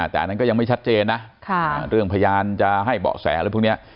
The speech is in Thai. แต่อันนั้นก็ยังไม่ชัดเจนนะเรื่องพยานจะให้เบาะแสอะไรพวกนี้